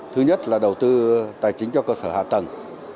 thứ nhất là đầu tư tài chính cho cơ sở hạ tầng